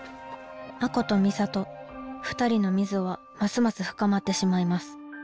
亜子と美里２人の溝はますます深まってしまいます。